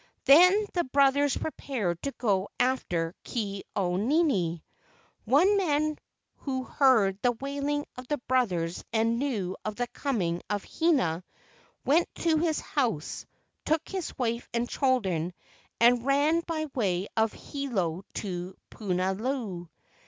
Then the brothers prepared to go after Ke au nini. One man who heard the wailing of the brothers and knew of the coming of Hina went to his house, took his wife and children and ran by way of Hilo to Puna luu.